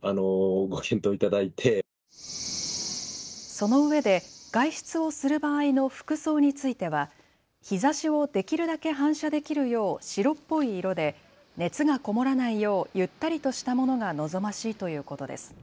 そのうえで外出をする場合の服装については日ざしをできるだけ反射できるよう白っぽい色で熱がこもらないようゆったりとしたものが望ましいということです。